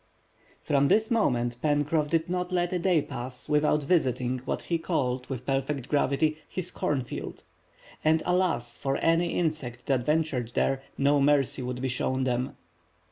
From this moment Pencroff did not let a day pass without visiting what he called with perfect gravity, his "corn field." And alas, for any insects that ventured there, no mercy would be shown them.